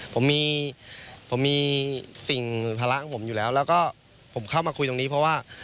ผมมีผมมีสิ่งภาระของผมอยู่แล้วแล้วก็ผมเข้ามาคุยตรงนี้เพราะว่า